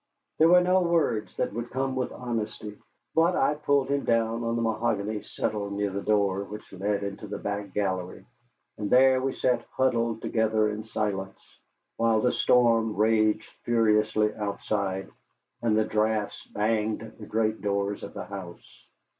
There were no words that would come with honesty. But I pulled him down on the mahogany settle near the door which led into the back gallery, and there we sat huddled together in silence, while the storm raged furiously outside and the draughts banged the great doors of the house.